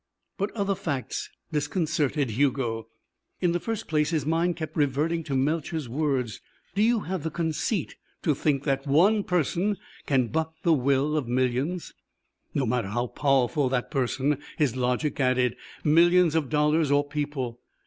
But other facts disconcerted Hugo. In the first place, his mind kept reverting to Melcher's words: "Do you have the conceit to think that one person can buck the will of millions?" No matter how powerful that person, his logic added. Millions of dollars or people?